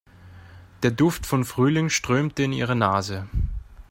Der Duft von Frühling strömte in ihre Nase.